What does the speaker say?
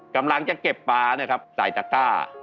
กำลังจะเก็บปลาใส่จาก่า